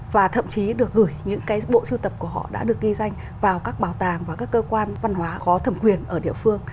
và thậm chí được gửi những cái bộ siêu tập của họ đã được ghi danh vào các bảo tàng và các cơ quan văn hóa có thẩm quyền ở địa phương